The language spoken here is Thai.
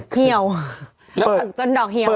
เฮียวเปลี่ยงจนดอกเฮียว